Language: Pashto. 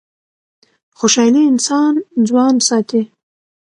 خوشحالي انسان ځوان ساتي.